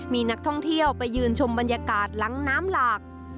มีนักท่องเที่ยวไปยืนชมบรรยากาศหลังน้ำหลาก